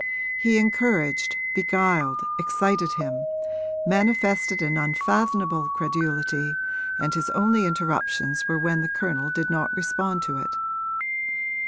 He encouraged, beguiled, excited him, manifested an unfathomable credulity, and his only interruptions were when the Colonel did not respond to it.